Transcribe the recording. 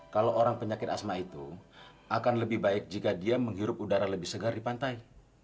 kalau orang penyakit asma itu akan lebih baik jika dia menghirup udara lebih segar di pantai